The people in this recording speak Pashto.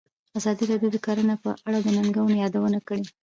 ازادي راډیو د کرهنه په اړه د ننګونو یادونه کړې.